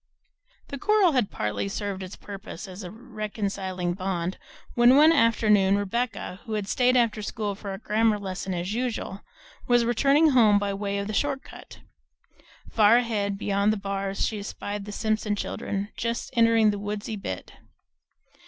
The coral had partly served its purpose as a reconciling bond, when one afternoon Rebecca, who had stayed after school for her grammar lesson as usual, was returning home by way of the short cut. Far ahead, beyond the bars, she espied the Simpson children just entering the woodsy bit.